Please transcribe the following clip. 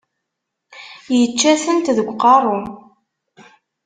Yečča-tent deg uqerru.